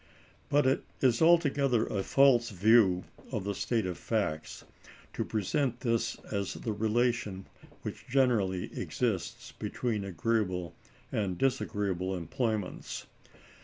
But it is altogether a false view of the state of facts to present this as the relation which generally exists between agreeable and disagreeable employments.